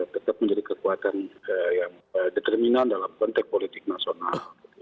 tetap menjadi kekuatan yang determinan dalam konteks politik nasional